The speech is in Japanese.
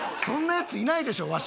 そんなやついないでしょ